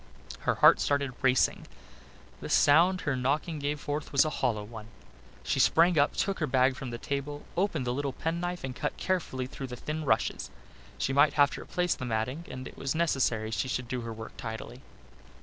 Her heart started racing. The sound her knocking gave forth was a hollow one. She sprang up, took her bag from the table, opened the little penknife and cut carefully through the thin rushes. She might have to replace the matting and it was necessary she should do her work tidily.